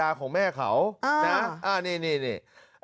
การนอนไม่จำเป็นต้องมีอะไรกัน